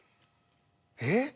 えっ？